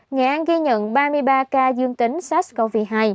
nghệ an ghi nhận ba mươi ba ca dương tính sars cov hai